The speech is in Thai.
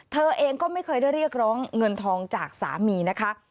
เธอเองก็ไม่เคยได้เรียกร้องเงินทองจากสามีนะคะ